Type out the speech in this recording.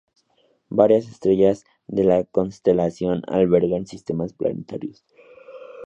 Varias estrellas de la constelación albergan sistemas planetarios.